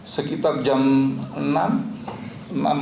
sekitar jam enam